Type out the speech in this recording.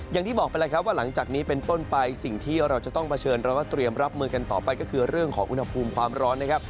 อย่างที่บอกไปแล้วครับว่าหลังจากนี้เป็นต้นไปสิ่งที่เราจะต้องเผชิญแล้วก็เตรียมรับมือกันต่อไปก็คือเรื่องของอุณหภูมิความร้อนนะครับ